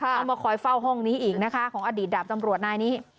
มาคอยเฝ้าห้องนี้อีกนะคะของอดีตดาบตำรวจนายนี้